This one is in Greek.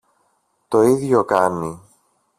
Το ίδιο κάνει.